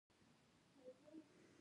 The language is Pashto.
د امیر له خوښې پرته.